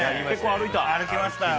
歩きましたよ。